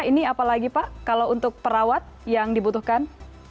ini apalagi pak kalau untuk perawat yang dibutuhkan